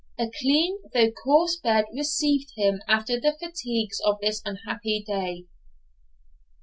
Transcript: A clean, though coarse, bed received him after the fatigues of this unhappy day.